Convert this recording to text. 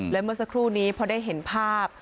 และเมื่อสักครู่นี้พอได้เห็นภาพ